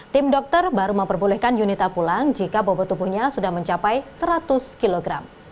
tim dokter baru memperbolehkan yunita pulang jika bobot tubuhnya sudah mencapai seratus kg